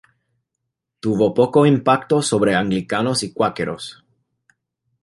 Tuvo poco impacto sobre anglicanos y cuáqueros.